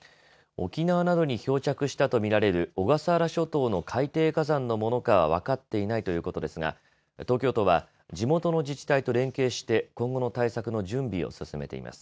沖縄などに漂着したと見られる小笠原諸島の海底火山のものかは分かっていないということですが東京都は地元の自治体と連携して今後の対策の準備を進めています。